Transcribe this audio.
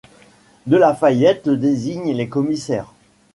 De La Fayette désigne les commissaires !